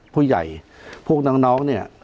ผู้ใหญ่พวกน้อง